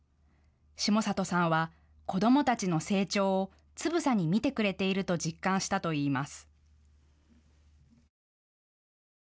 下里さんは子どもたちの成長をつぶさに見てくれていると実感したといいます。